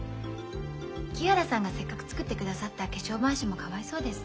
木原さんがせっかく作ってくださった化粧まわしもかわいそうです。